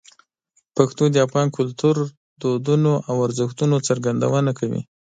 پښتو د افغان کلتور، دودونو او ارزښتونو څرګندونه کوي.